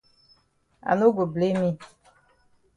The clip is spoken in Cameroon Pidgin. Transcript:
I no go blame yi.